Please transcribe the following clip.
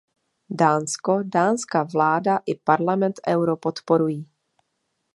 Dánsko, dánská vláda i parlament euro podporují.